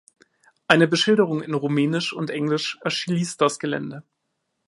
Eine Beschilderung in Rumänisch und Englisch erschließt das Gelände.